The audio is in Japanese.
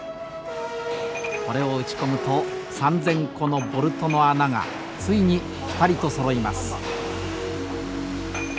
これを打ち込むと３，０００個のボルトの穴がついにピタリとそろいます。